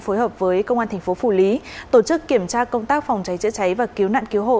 phối hợp với công an thành phố phủ lý tổ chức kiểm tra công tác phòng cháy chữa cháy và cứu nạn cứu hộ